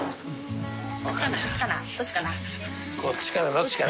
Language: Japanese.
どっちかな。